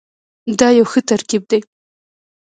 دا یو ښه ترکیب دی.